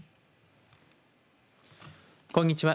こんにちは